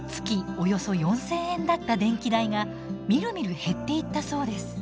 およそ４，０００円だった電気代がみるみる減っていったそうです。